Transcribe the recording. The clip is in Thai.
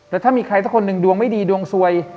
แล้วถ้ามีใครสักคนหนึ่งดวงไม่ดีดวงสวย